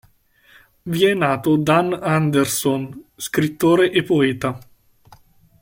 Vi è nato Dan Andersson, scrittore e poeta.